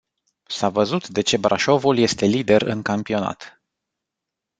S-a văzut de ce Brașovul este lider în campionat.